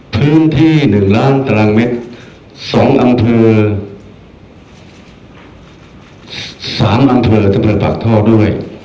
พื้นที่หนึ่งล้านตารางเมตรสองอำเภอสามอำเภอตำบลผักท่อด้วย